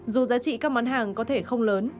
dù giá trị các món hàng có thể không lớn